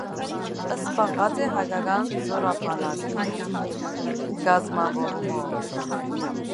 Զբաղած է հայկական զօրաբանակի կազմաւորումով։